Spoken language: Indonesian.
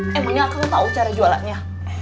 emangnya aku tuh tahu cara jualannya